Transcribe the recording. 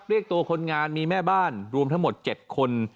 เรียกตัวคนงานมีแม่บ้านรวมทั้งหมด๗คน